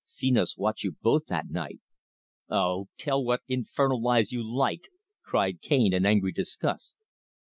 Senos watch you both that night!" "Oh! tell what infernal lies you like," cried Cane in angry disgust.